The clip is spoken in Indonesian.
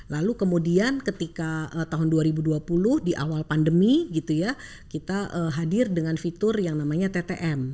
lalu kemudian ketika tahun dua ribu dua puluh di awal pandemi gitu ya kita hadir dengan fitur yang namanya ttm